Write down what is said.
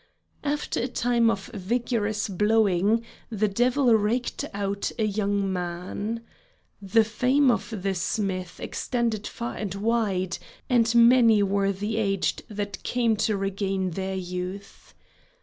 After a time of vigorous blowing the devil raked out a young man. The fame of the smith extended far and wide, and many were the aged that came to regain their youth.